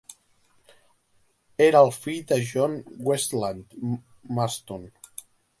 Era el fill de John Westland Marston.